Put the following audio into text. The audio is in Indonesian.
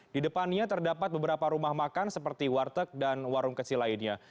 di depannya terdapat beberapa rumah makan seperti warteg dan warung kecil lainnya